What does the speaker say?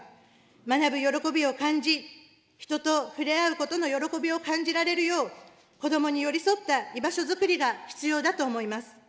学ぶ喜びを感じ、人と触れ合うことの喜びを感じられるよう、子どもに寄り添った居場所作りが必要だと思います。